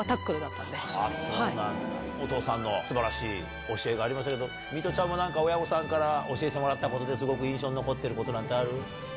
お父さんの素晴らしい教えがありましたけどミトちゃんも何か親御さんから教えてもらったことですごく印象に残ってることある？